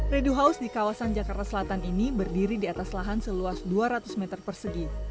redu house di kawasan jakarta selatan ini berdiri di atas lahan seluas dua ratus meter persegi